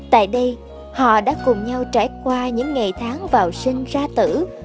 tại đây họ đã cùng nhau trải qua những ngày tháng vào sinh ra tử